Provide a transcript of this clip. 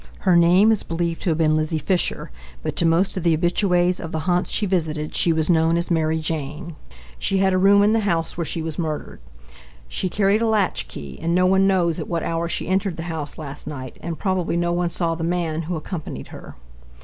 Her name is believed to have been Lizzie Fisher, but to most of the habitues of the haunts she visited she was known as Mary Jane. She had a room in the house where she was murdered. She carried a latch key and no one knows at what hour she entered the house last night, and probably no one saw the man who accompanied her.